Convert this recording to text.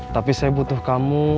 tapi saya butuh kamu